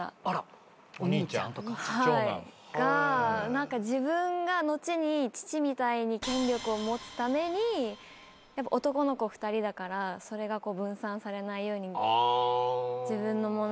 何か自分が後に父みたいに権力を持つために男の子２人だからそれが分散されないように自分のものにしようと。